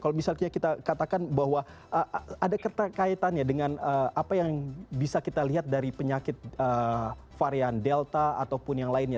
kalau misalnya kita katakan bahwa ada keterkaitannya dengan apa yang bisa kita lihat dari penyakit varian delta ataupun yang lainnya